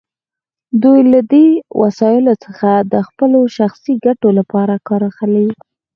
دوی له دې وسایلو څخه د خپلو شخصي ګټو لپاره کار اخلي.